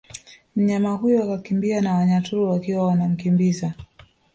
Mnyama huyo akakimbia na Wanyaturu wakiwa wanamkimbiza